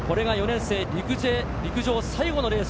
これが４年生、陸上最後のレース。